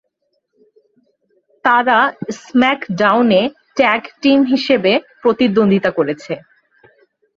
তারা স্ম্যাকডাউনে tag team হিসেবে প্রতিদ্বন্দ্বিতা করেছে!